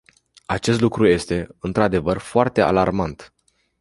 Acest lucru este, într-adevăr, foarte alarmant.